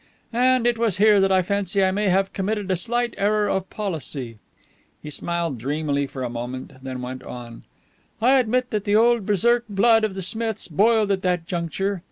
And it was here that I fancy I may have committed a slight error of policy." He smiled dreamily for a moment, then went on. "I admit that the old Berserk blood of the Smiths boiled at that juncture.